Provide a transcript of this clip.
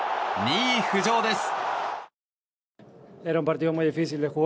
２位浮上です。